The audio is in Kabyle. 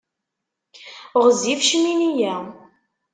Ɣezzif ccmini-ya.